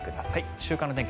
週間の天気